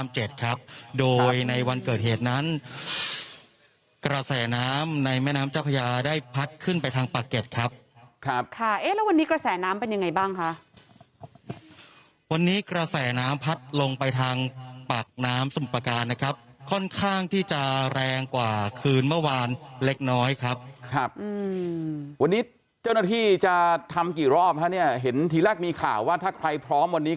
โดยในวันเกิดเหตุนั้นกระแสน้ำในแม่น้ำเจ้าพญาได้พัดขึ้นไปทางปากเก็ตครับครับค่ะเอ๊ะแล้ววันนี้กระแสน้ำเป็นยังไงบ้างคะวันนี้กระแสน้ำพัดลงไปทางปากน้ำสมประการนะครับค่อนข้างที่จะแรงกว่าคืนเมื่อวานเล็กน้อยครับครับวันนี้เจ้าหน้าที่จะทำกี่รอบฮะเนี่ยเห็นทีแรกมีข่าวว่าถ้าใครพร้อมวันนี้